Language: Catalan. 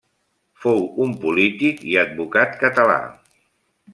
Fou un polític i advocat català.